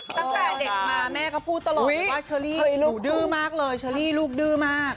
ตั้งแต่เด็กมาแม่ก็พูดตลอดเลยว่าเชอรี่ลูกดื้อมากเลยเชอรี่ลูกดื้อมาก